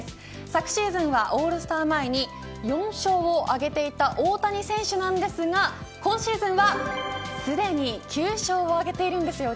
昨シーズンはオールスター前に４勝挙げていた大谷選手なんですが今シーズンは、すでに９勝を挙げているんですよ